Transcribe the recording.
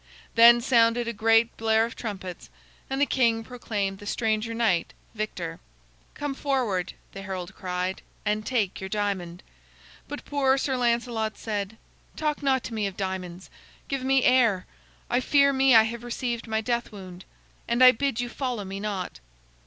Then sounded a great blare of trumpets, and the king proclaimed the stranger knight victor. "Come forward," the herald cried, "and take your diamond." But poor Sir Lancelot said: "Talk not to me of diamonds. Give me air. I fear me I have received my death wound. Let me go hence, and I bid you follow me not."